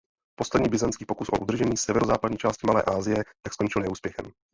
Poslední byzantský pokus o udržení severozápadní části Malé Asie tak skončil neúspěchem.